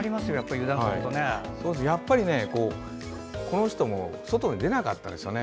やっぱり、この人も外に出なかったんですよね。